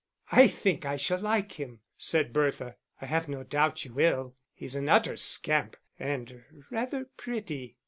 "I think I shall like him," said Bertha. "I have no doubt you will; he's an utter scamp and rather pretty."